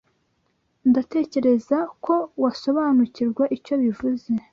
Ndatekereza ko wasobanukirwa icyo bivuze.